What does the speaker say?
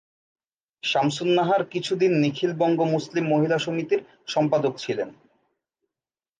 শামসুন নাহার কিছুদিন নিখিল বঙ্গ মুসলিম মহিলা সমিতির সম্পাদক ছিলেন।